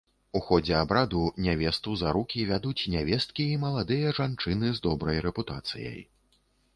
У ходзе абраду нявесту за рукі вядуць нявесткі і маладыя жанчыны з добрай рэпутацыяй.